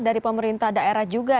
dari pemerintah daerah juga